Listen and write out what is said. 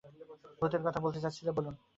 ভূতের কথা কি বলতে চাচ্ছিলেন বলুন।